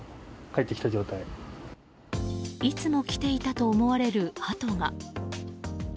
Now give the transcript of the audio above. いつも来ていたと思われるハトが。